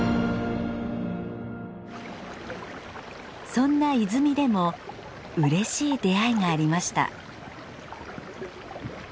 そんな泉でもうれしい出会いがありました。